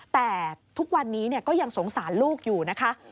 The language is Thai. แต่ทุกวันนี้ก็ยังสงสารลูกอยู่นะคะ